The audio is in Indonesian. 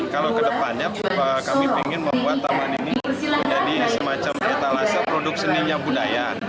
kalau kedepannya kami ingin membuat taman ini menjadi semacam etalase produk seninya budaya